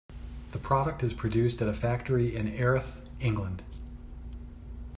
The product is produced at a factory in Erith, England.